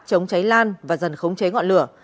chống cháy lan và dần khống cháy ngọn lửa